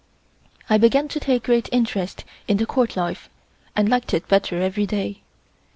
I began to take great interest in the Court life, and liked it better every day.